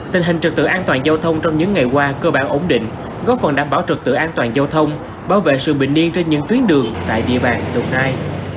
tình hình trực tự an toàn giao thông trong những ngày qua cơ bản ổn định góp phần đảm bảo trực tự an toàn giao thông bảo vệ sự bình niên trên những tuyến đường tại địa bàn đồng nai